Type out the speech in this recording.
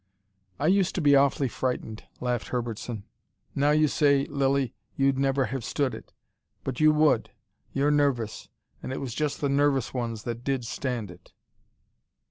"I used to be awfully frightened," laughed Herbertson. "Now you say, Lilly, you'd never have stood it. But you would. You're nervous and it was just the nervous ones that did stand it.